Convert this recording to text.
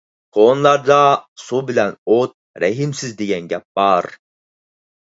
كونىلاردا: «سۇ بىلەن ئوت رەھىمسىز» دېگەن گەپ بار.